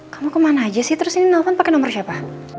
kamu kemana aja sih terus ini nelfon pakai nomor siapa